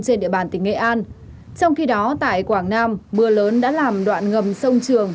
trên địa bàn tỉnh nghệ an trong khi đó tại quảng nam mưa lớn đã làm đoạn ngầm sông trường